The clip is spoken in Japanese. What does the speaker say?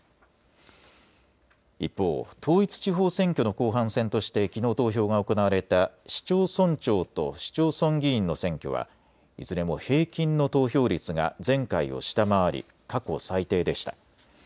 一方、統一地方選挙の後半戦としてきのう投票が行われた市町村長と市町村議員の選挙はいずれも平均の投票率が前回を下回り、過去最低でした。